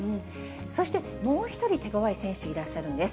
そしてもう１人手ごわい選手いらっしゃるんです。